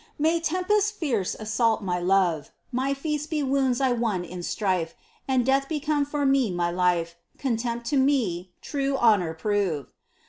May tempests fierce assault my love ; My feast be wounds I won in strife And death become for me my hfe ; Contempt to me true honour prove